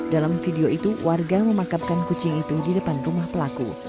dalam video itu warga memakamkan kucing itu di depan rumah pelaku